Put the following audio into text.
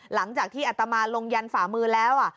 หลังจากที่อัตมาลงยันฝ่ามือแล้ว